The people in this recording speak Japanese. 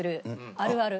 あるある。